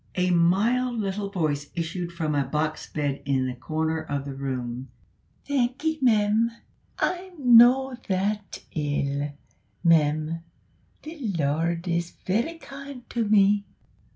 A mild little voice issued from a box bed in a corner of the room. "Thankee, mem, I'm no that ill, mem. The Lord is verra kind to me."